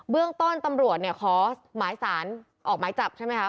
เรื่องต้นตำรวจเนี่ยขอหมายสารออกหมายจับใช่ไหมคะ